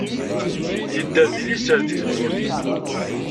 Yedder deg liser deg tmurt.